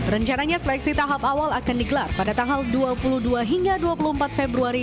rencananya seleksi tahap awal akan digelar pada tanggal dua puluh dua hingga dua puluh empat februari